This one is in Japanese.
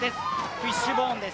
フィッシュボーンです。